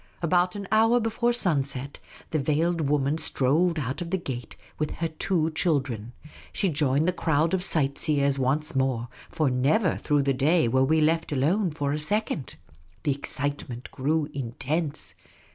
About an hour before sun set the veiled woman strolled out of the gate with her two children. She joined the crowd of sight seers once more, for never through the day were we left alone for a second. The excitement grew intense.